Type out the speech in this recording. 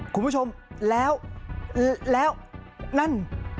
คุณผู้ชมแล้วนั่น